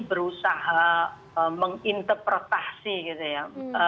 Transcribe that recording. berusaha menginterpretasi gitu ya